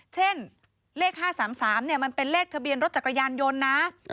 เช่นเลข๕๓๓มันเป็นเลขทะเบียนรถจักรยานยนต์นะ